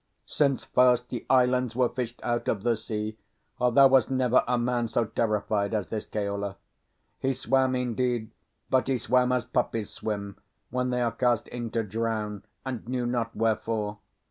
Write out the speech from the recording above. Since first the islands were fished out of the sea, there was never a man so terrified as this Keola. He swam indeed, but he swam as puppies swim when they are cast in to drown, and knew not wherefore.